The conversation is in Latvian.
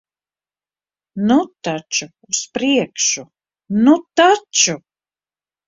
Nu taču, uz priekšu. Nu taču!